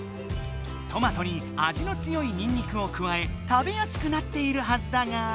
トマトに味の強いにんにくをくわえ食べやすくなっているはずだが。